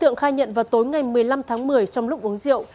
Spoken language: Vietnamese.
tượng khai nhận vào tối ngày một mươi năm tháng một mươi trong lúc uống rượu